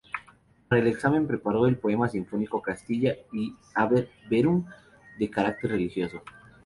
Para el examen preparó el poema sinfónico "Castilla" y "Ave verum" de carácter religioso.